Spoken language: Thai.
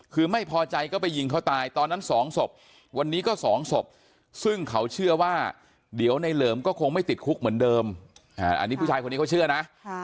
คือไม่พอใจก็ไปยิงเขาตายตอนนั้นสองศพวันนี้ก็สองศพซึ่งเขาเชื่อว่าเดี๋ยวในเหลิมก็คงไม่ติดคุกเหมือนเดิมอันนี้ผู้ชายคนนี้เขาเชื่อนะ